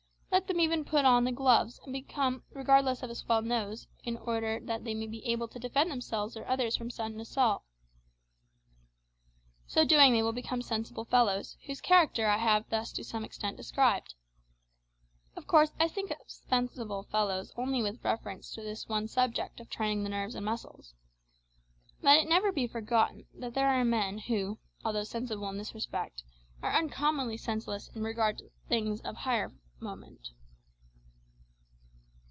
Let them even put on "the gloves," and become regardless of a swelled nose, in order that they may be able to defend themselves or others from sudden assault. So doing they will become sensible fellows, whose character I have thus to some extent described. Of course, I speak of sensible fellows only with reference to this one subject of training the nerves and muscles. Let it never be forgotten that there are men who, although sensible in this respect, are uncommonly senseless in regard to other things of far higher moment.